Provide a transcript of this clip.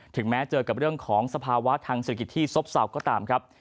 แม้เจอกับเรื่องของสภาวะทางเศรษฐกิจที่ซบเศร้าก็ตามครับ